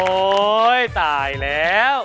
โอ๊ยตายแล้ว